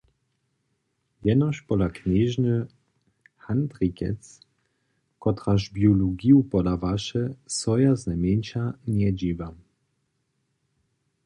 Jenož pola knježny Handrikec, kotraž biologiju podawaše, so ja znajmjeńša njedźiwam.